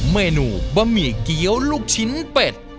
เมนูบะหมี่เกี้ยวลูกชิ้นเป็ด